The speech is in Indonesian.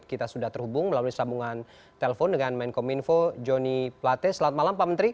kita sudah terhubung melalui sambungan telepon dengan menko minfo joni plates selamat malam pak menteri